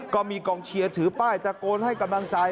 ก็มีกองเชียร์ถือป้ายตะโกนให้กำลังใจ